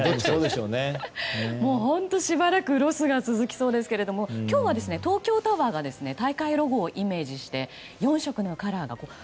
本当しばらくロスが続きそうですけども今日は東京タワーが大会ロゴをイメージして４色のカラーが。